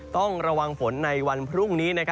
ต้องระวังฝนในวันพรุ่งนี้